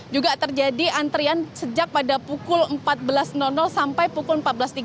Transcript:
juga terjadi antrian sejak pada pukul empat belas sampai pukul empat belas tiga puluh